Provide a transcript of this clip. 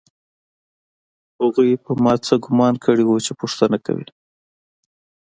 هغوی په ما څه ګومان کړی و چې پوښتنه کوي